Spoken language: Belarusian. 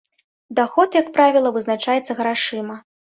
Даход, як правіла, вызначаецца грашыма.